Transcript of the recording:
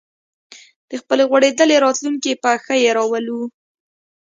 د خپلې غوړېدلې راتلونکې په ښه یې راولو